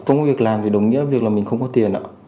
không có việc làm thì đồng nghĩa việc là mình không có tiền ạ